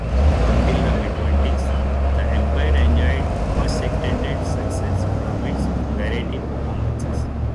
Until the mid-twenties, the Empire enjoyed much extended success from its variety performances.